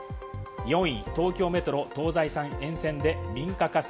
４位・東京メトロ東西線沿線で民家火災。